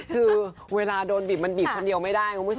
คือเวลาโดนบีบมันบีบคนเดียวไม่ได้คุณผู้ชม